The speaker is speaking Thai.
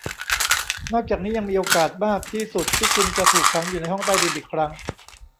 นอกจากนี้ยังมีโอกาสมากที่สุดที่คุณจะถูกขังอยู่ในห้องใต้ดินอีกครั้ง